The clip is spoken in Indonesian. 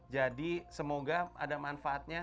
jadi semoga ada manfaatnya